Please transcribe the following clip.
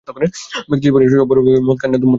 ব্যক্তিজীবনে শবর অবিবাহিত, মদ খায় না, ধূমপান করে না।